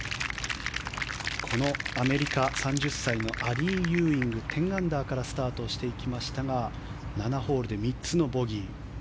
アメリカ、３０歳のアリー・ユーイング１０アンダーからスタートしていきましたが７ホールで３つのボギー。